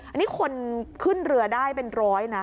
อันนี้คนขึ้นเรือได้เป็นร้อยนะ